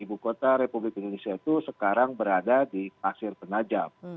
ibu kota republik indonesia itu sekarang berada di pasir penajam